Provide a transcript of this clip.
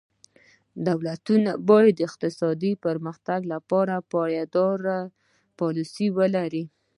دولتونه باید د اقتصادي پرمختګ لپاره پایداره پالیسي ولري.